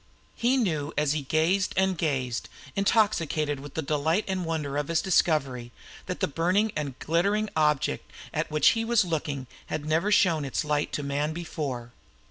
He knew as he gazed and gazed, intoxicated with the delight and wonder of his discovery, that the burning and glittering object at which he was looking had never shown its light to man before.